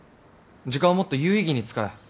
時間はもっと有意義に使え。